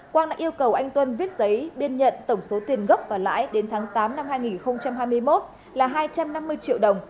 quang đã yêu cầu anh tuấn viết giấy biên nhận tổng số tiền gốc và lãi đến tháng tám năm hai nghìn hai mươi một là hai trăm năm mươi triệu đồng